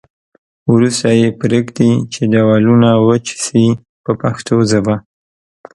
وروسته یې پرېږدي چې دېوالونه وچ شي په پښتو ژبه.